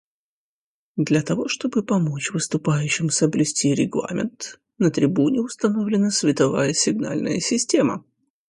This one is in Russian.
Для того чтобы помочь выступающим соблюсти регламент, на трибуне установлена световая сигнальная система.